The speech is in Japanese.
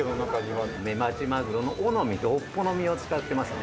メバチマグロの尾の身と尾っぽの身を使ってますね。